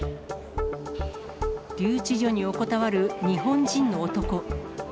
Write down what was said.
留置所に横たわる日本人の男。